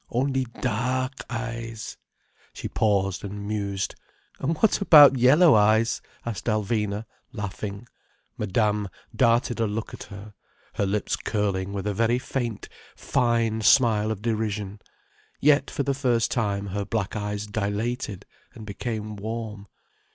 Only dark eyes—" She paused and mused. "And what about yellow eyes?" asked Alvina, laughing. Madame darted a look at her, her lips curling with a very faint, fine smile of derision. Yet for the first time her black eyes dilated and became warm.